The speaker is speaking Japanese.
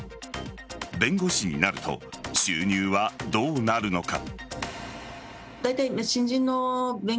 弁護士になると収入はどうなるのか。